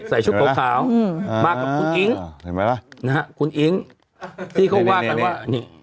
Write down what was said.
ใส่ชุดโปร่งขาวมากับคุณอิงนะฮะคุณอิงที่เขาว่ากันว่านี่